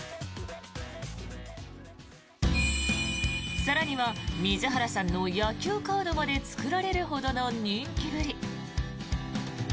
更には水原さんの野球カードまで作られるほどの人気ぶり。